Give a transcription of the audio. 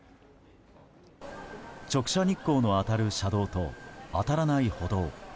直射日光の当たる車道と当たらない歩道。